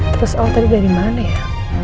terus awal tadi dari mana ya